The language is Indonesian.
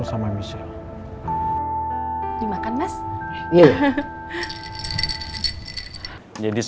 sampai ketemu lagi